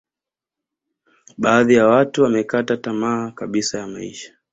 badhi ya watu wamekata tama kabisa ya maisha